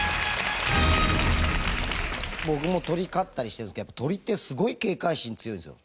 僕も鳥飼ったりしてるんですけどやっぱ鳥ってすごい警戒心強いんですよ。